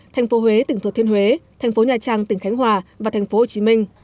thành phố huế tỉnh thừa thiên huế thành phố nha trang tỉnh khánh hòa và thành phố hồ chí minh